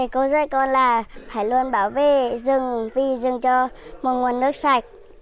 cô dạy con là phải luôn bảo vệ rừng vì rừng cho một nguồn nước sạch